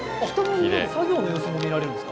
作業の様子も見られるんですか？